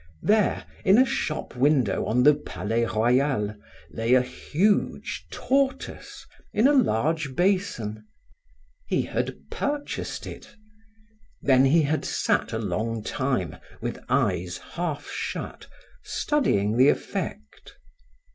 There, in a shop window on the Palais Royal, lay a huge tortoise in a large basin. He had purchased it. Then he had sat a long time, with eyes half shut, studying the effect.